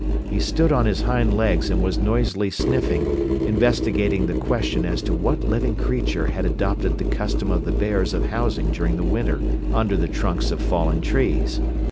He stood on his hind legs and was noisily sniffing, investigating the question as to what living creature had adopted the custom of the bears of housing during the winter under the trunks of fallen trees.